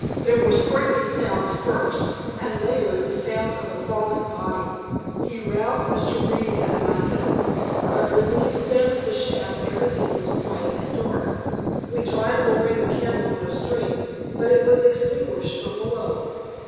There were scraping sounds first, and later the sound of a falling body. He roused Mr. Reed and myself, but when we examined the shaft everything was quiet, and dark. We tried lowering a candle on a string, but it was extinguished from below."